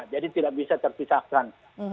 jadi tidak bisa terpisahkan